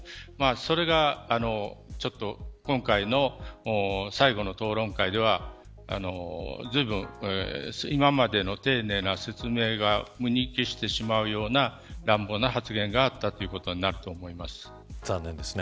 それが、今回の最後の討論会ではずいぶん、今までの丁寧な説明をもみ消してしまうような乱暴な発言があったということに残念ですね。